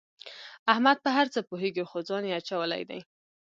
احمد په هر څه پوهېږي خو ځان یې اچولی دی.